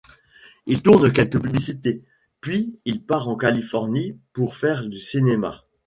Il tourne quelques publicités, puis il part en Californie pour faire du cinéma.